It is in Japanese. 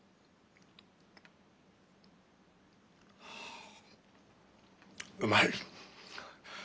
はあうまい。